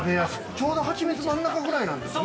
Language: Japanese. ◆ちょうど「はちみつ」、真ん中ぐらいなんですね。